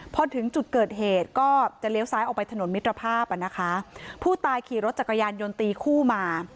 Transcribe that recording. พอถึงจุดเกิดเหตุก็จะเลี้ยวซ้ายออกไปถนนมิตรภาพอ่ะนะคะผู้ตายขี่รถจักรยานยนต์ตีคู่มา